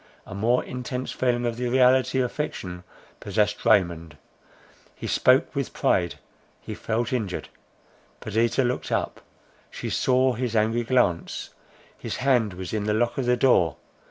A more intense feeling of the reality of fiction possessed Raymond. He spoke with pride; he felt injured. Perdita looked up; she saw his angry glance; his hand was on the lock of the door.